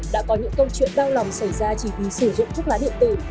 đã có những câu chuyện đau lòng xảy ra chỉ vì sử dụng thuốc lá điện tử